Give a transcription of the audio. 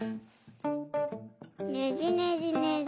ねじねじねじ。